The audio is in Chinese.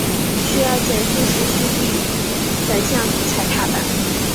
需要减速时须反向踩踏板。